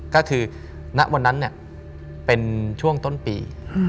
ก็คือณวันนั้นเป็นช่วงต้นปี